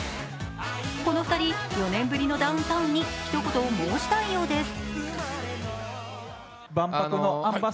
この２人、４年ぶりのダウンタウンに一言申したいようです。